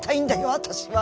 私は！